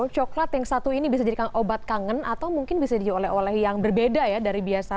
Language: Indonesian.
coklat yang satu ini bisa jadi obat kangen atau mungkin bisa diolah olah yang berbeda ya dari biasanya